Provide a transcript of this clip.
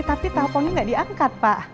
tapi telponnya nggak diangkat pak